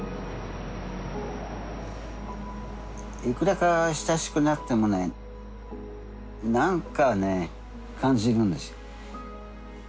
いくらか親しくなってもねなんかね感じるんですよ。